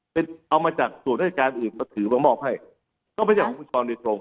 เป็นเอามาจากส่วนให้การอื่นก็ถือว่ามอบให้ก็ไม่ใช่ของคุณช้อนเนี่ยตรง